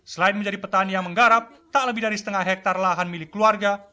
selain menjadi petani yang menggarap tak lebih dari setengah hektare lahan milik keluarga